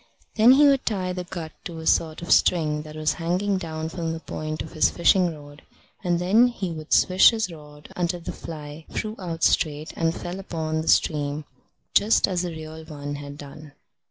Then he would tie the gut to a sort of string that was hanging down from the point of his fishing rod; and then he would swish his rod until the fly flew out straight and fell upon the stream, just as the real one had done.